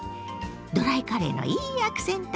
ドライカレーのいいアクセントね。